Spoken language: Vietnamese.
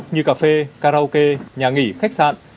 như cà phê karaoke nhà nghỉ khách sạn